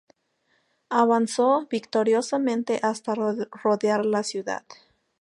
Avanzó victoriosamente hasta rodear la ciudad.